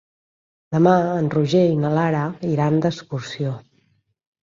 Demà en Roger i na Lara iran d'excursió.